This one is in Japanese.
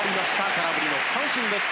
空振りの三振です。